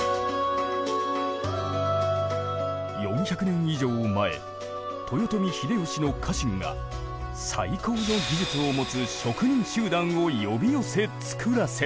４００年以上前豊臣秀吉の家臣が最高の技術を持つ職人集団を呼び寄せつくらせた。